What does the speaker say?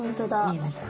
見えました？